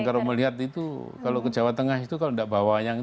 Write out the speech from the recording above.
kalau ke jawa tengah itu kalau tidak bawa wayang